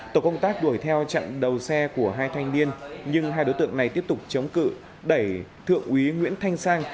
tổ công tác đuổi theo chặn đầu xe của hai thanh niên nhưng hai đối tượng này tiếp tục chống cự đẩy thượng úy nguyễn thanh sang